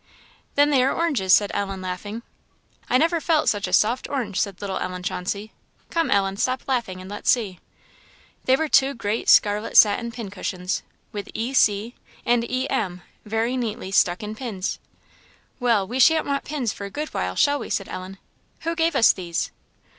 "Then they are oranges," said Ellen laughing. "I never felt such a soft orange," said little Ellen Chauncey. "Come, Ellen! stop laughing, and let's see." They were two great scarlet satin pincushions, with E. C. and E. M., very neatly stuck in pins. "Well, we shan't want pins for a good while, shall we?" said Ellen. "Who gave us these?"